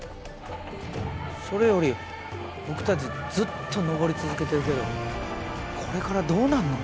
それより僕たちずっと上り続けてるけどこれからどうなんの？